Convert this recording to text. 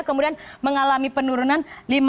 kemudian mengalami penurunan